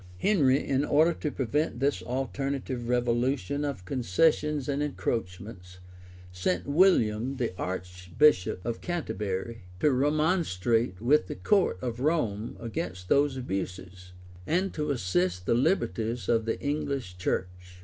Henry, in order to prevent this alternate revolution of concessions and encroachments, sent William, then archbishop of Canterbury, to remonstrate with the court of Rome against those abuses, and to assert the liberties of the English church.